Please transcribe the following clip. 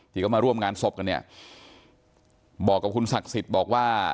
ที่เขามาร่วมงานศพกันเนี่ยบอกกับคุณศักดิ์สิทธิ์บอกว่า